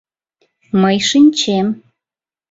Мый шинчем: